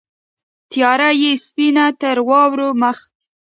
تیاره یې سپین تر واورو مخ